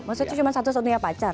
maksudnya cuma satu satunya pacar